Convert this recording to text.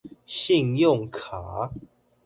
信用卡